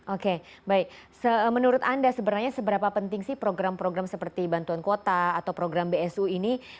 oke baik menurut anda sebenarnya seberapa penting sih program program seperti bantuan kuota atau program bsu ini